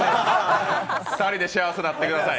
２人で幸せになってください